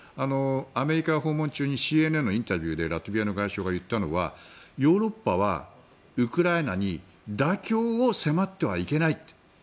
アメリカを訪問中にＣＮＮのインタビューでラトビアの外相が言ったのはヨーロッパはウクライナに妥協を迫ってはいけないって。